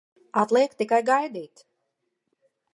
Atliek tikai gaidīt!